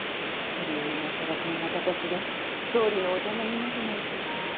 それを今さらこんな形で総理のお邪魔になるなんて。